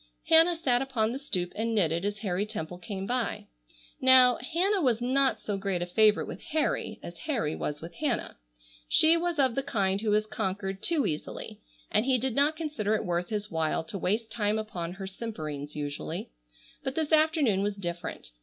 Hannah sat upon the stoop and knitted as Harry Temple came by. Now, Hannah was not so great a favorite with Harry as Harry was with Hannah. She was of the kind who was conquered too easily, and he did not consider it worth his while to waste time upon her simperings usually. But this afternoon was different.